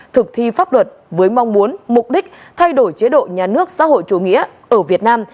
thực thi pháp luật với mong muốn mục đích thay đổi chế độ nhà nước xã hội chủ nghĩa ở việt nam